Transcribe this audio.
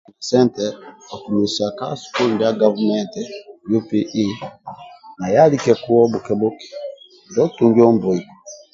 Sente okumuisa ka sukulu ndia gavumenti UPE naye alike kuwo bhukbhuke ndio otungio ombuweku